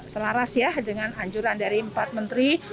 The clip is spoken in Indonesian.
selaras ya dengan anjuran dari empat menteri